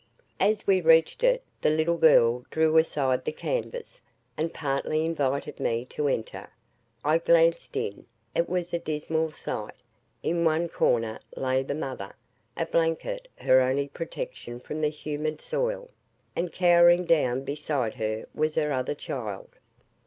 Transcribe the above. As we reached it, the little girl drew aside the canvas, and partly invited me to enter. I glanced in; it was a dismal sight. In one corner lay the mother, a blanket her only protection from the humid soil, and cowering down beside her was her other child.